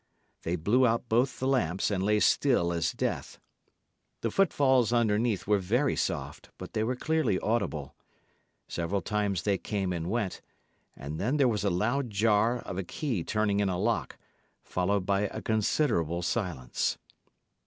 They blew out both the lamps and lay still as death. The footfalls underneath were very soft, but they were clearly audible. Several times they came and went; and then there was a loud jar of a key turning in a lock, followed by a considerable silence.